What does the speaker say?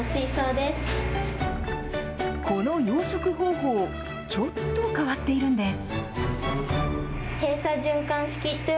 この養殖方法、ちょっと変わっているんです。